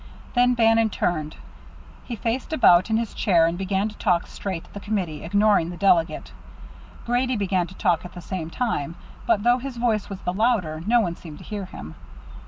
Then Bannon turned. He faced about in his chair and began to talk straight at the committee, ignoring the delegate. Grady began to talk at the same time, but though his voice was the louder, no one seemed to hear him.